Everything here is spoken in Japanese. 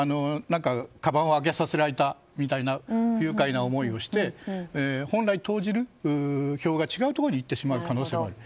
かばんを開けさせられたみたいな不愉快な思いをして本来、投じる票が違うところにいってしまう可能性がある。